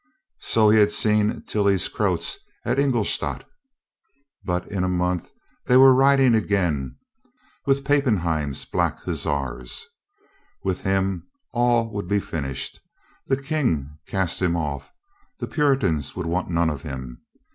So he had seen Tilly's Croats at Ingolstadt. But in a month they were riding again with Pappen heim's black hussars. With him all would be fin ished. The King cast him off, the Puritans would want none of him.